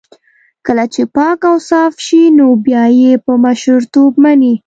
کله چې پاک اوصاف شي نو بيا يې په مشرتوب مني.